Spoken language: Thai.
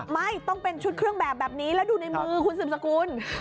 ไม่ต้องเป็นชุดเครื่องแบบนี้แล้วดูในมือคุณสืบสกุล